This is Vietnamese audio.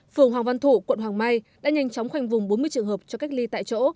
phường hoàng văn thủ quận hoàng mai đã nhanh chóng khoanh vùng bốn mươi trường hợp cho cách ly tại chỗ